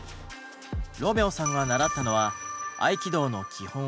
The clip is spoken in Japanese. ロメオさんが習ったのは合気道の基本技「一教」。